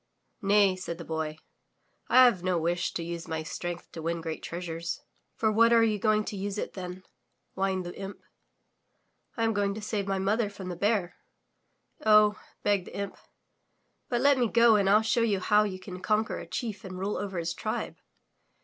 '' "Nay," said the Boy, "I have no wish to use my strength to win great treasures." "For what are you going to use it then?" whined the imp. 170 THROUGH FAIRY HALLS "I am going to save my mother from the Bear!" 0h/' begged the imp, but let me go and FU show you how you can conquer a chief and rule over his tribe."